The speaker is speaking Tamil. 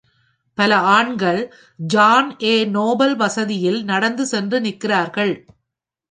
பல ஆண்கள் ஜான் ஏ. நோபல் வசதியில் நடந்து சென்று நிற்கிறார்கள்